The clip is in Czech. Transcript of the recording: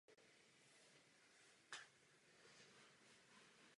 Krátce potom měla tuto příležitost znova.